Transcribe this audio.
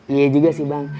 iya juga sih bang